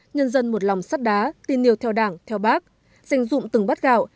nhân dân một lòng sắt đá tin nhiều theo đảng theo bác dành dụng từng bát gạo